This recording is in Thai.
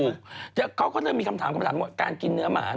เขาก็เริ่มมีคำถามกันว่าการกินเนื้อหมา